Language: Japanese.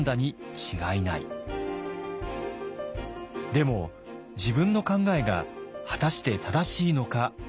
でも自分の考えが果たして正しいのか確信が持てません。